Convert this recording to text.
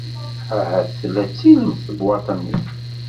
Ahat tella d tilemt tebwaḍt-nni.